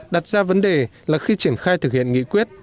đặt ra vấn đề là khi triển khai thực hiện nghị quyết